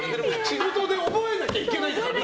仕事で覚えなきゃいけないから。